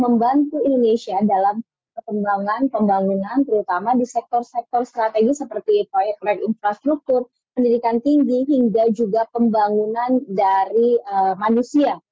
membantu indonesia dalam perkembangan pembangunan terutama di sektor sektor strategis seperti proyek proyek infrastruktur pendidikan tinggi hingga juga pembangunan dari manusia